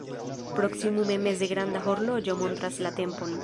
Proksimume meze granda horloĝo montras la tempon.